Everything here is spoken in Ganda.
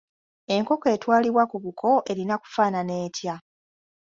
Enkoko etwalibwa ku buko erina kufaanana etya?